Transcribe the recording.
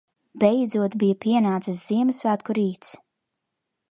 Beidzot bija pienācis Ziemassvētku rīts.